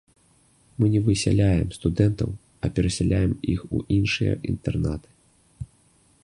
Мы не высяляем студэнтаў, а перасяляем іх у іншыя інтэрнаты.